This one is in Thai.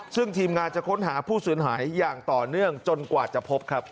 ซึ่งทีมงานจะค้นหาผู้สูญหายอย่างต่อเนื่องจนกว่าจะพบครับ